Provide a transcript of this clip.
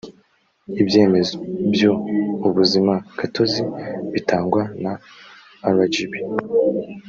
ibyemezo byu ubuzimagatozi bitangwa na rgb